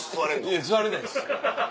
いや座れないです。